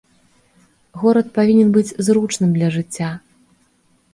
Горад павінен быць зручным для жыцця.